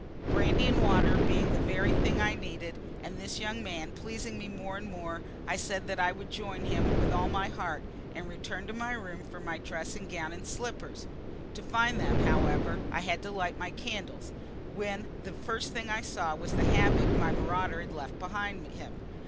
Brandy and water being the very thing I needed, and this young man pleasing me more and more, I said that I would join him with all my heart, and returned to my room for my dressing gown and slippers. To find them, however, I had to light my candles, when the first thing I saw was the havoc my marauder had left behind him.